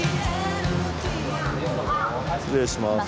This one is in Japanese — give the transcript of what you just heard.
失礼します。